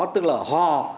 tức là hò